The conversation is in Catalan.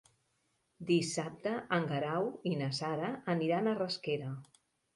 Dissabte en Guerau i na Sara aniran a Rasquera.